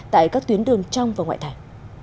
tại các tuyến đường trong và ngoại thải